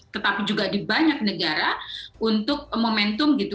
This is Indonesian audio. tetapi juga di banyak negara untuk momentum gitu